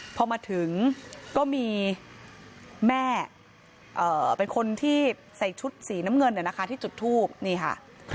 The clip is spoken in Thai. พอมาถึงก็มีแม่เป็นคนที่ใส่ชุดสีน้ำเงินที่จุดทูบนี่ค่ะ